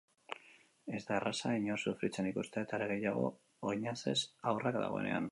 Ez da erraza inor sufritzen ikustea eta are gehiago oinazez haurrak daudenean.